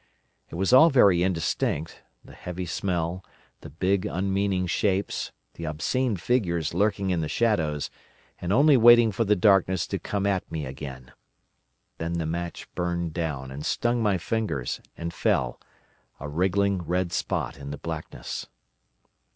It was all very indistinct: the heavy smell, the big unmeaning shapes, the obscene figures lurking in the shadows, and only waiting for the darkness to come at me again! Then the match burnt down, and stung my fingers, and fell, a wriggling red spot in the blackness.